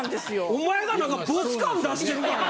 お前が何かボス感出してるから。